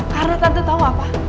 karena tante tau apa